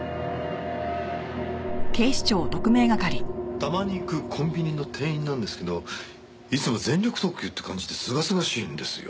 たまに行くコンビニの店員なんですけどいつも全力投球って感じですがすがしいんですよ。